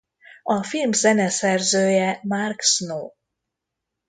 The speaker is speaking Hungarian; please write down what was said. A film zeneszerzője Mark Snow.